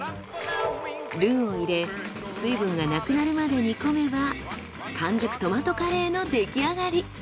ルウを入れ水分がなくなるまで煮込めば完熟トマトカレーの出来上がり。